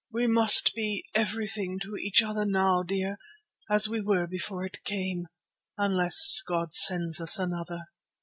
We must be everything to each other now, dear, as we were before it came—unless God sends us another."